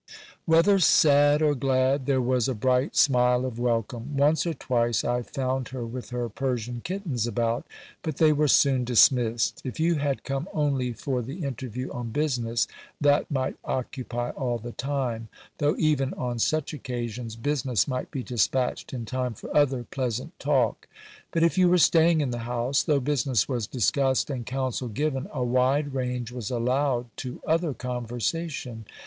] Whether sad or glad, there was a bright smile of welcome. Once or twice I found her with her Persian kittens about, but they were soon dismissed. If you had come only for the interview on business, that might occupy all the time; though even on such occasions, business might be dispatched in time for other pleasant talk. But if you were staying in the house, though business was discussed and counsel given, a wide range was allowed to other conversation.